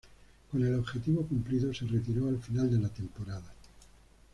Con el objetivo cumplido, se retiró al final de la temporada.